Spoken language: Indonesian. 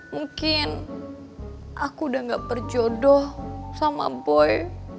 mungkin aku udah gak berjodoh sama boy